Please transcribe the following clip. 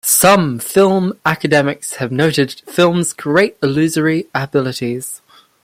Some film academics have noted film's great illusory abilities.